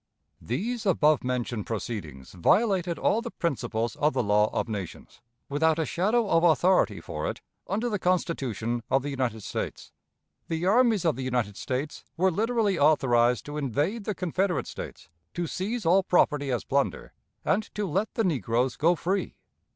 These above mentioned proceedings violated all the principles of the law of nations, without a shadow of authority for it under the Constitution of the United States. The armies of the United States were literally authorized to invade the Confederate States, to seize all property as plunder, and to let the negroes go free.